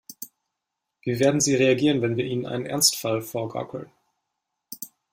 Wie werden sie reagieren, wenn wir ihnen einen Ernstfall vorgaukeln?